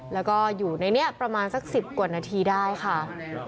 แล้วก็อยู่ในนี้ประมาณสัก๑๐กว่านาทีได้ค่ะ